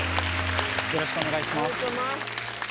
よろしくお願いします。